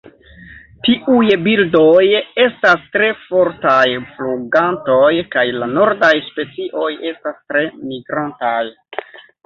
Tiuj birdoj estas tre fortaj flugantoj kaj la nordaj specioj estas tre migrantaj.